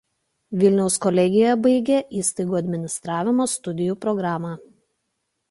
Vilniaus kolegijoje baigė įstaigų administravimo studijų programą.